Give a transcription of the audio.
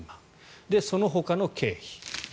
そのほかの経費。